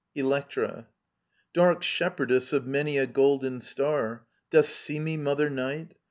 Electra, Dark shepherdess of many a golden star. Dost see me. Mother Night